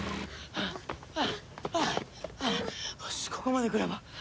よしここまで来れば。